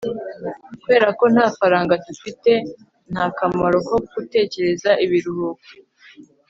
kubera ko nta faranga dufite, nta kamaro ko gutekereza ibiruhuko